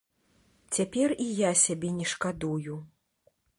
Цяпер і я сябе не шкадую.